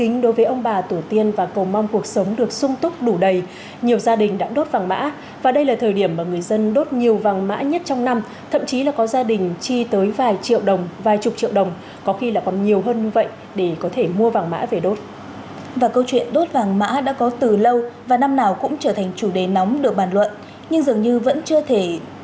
hãy đăng ký kênh để ủng hộ kênh của mình nhé